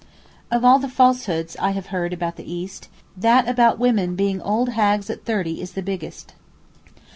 Of all the falsehoods I have heard about the East, that about women being old hags at thirty is the biggest.